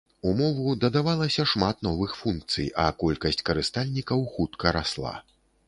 У мову дадавалася шмат новых функцый, а колькасць карыстальнікаў хутка расла.